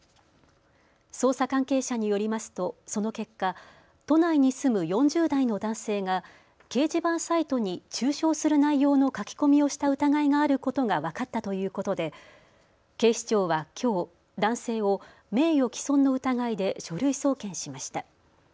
捜査関係者によりますとその結果、都内に住む４０代の男性が掲示板サイトに中傷する内容の書き込みをした疑いがあることが分かったということで警視庁はきょう、男性を名誉毀損の疑いで書類送検しました。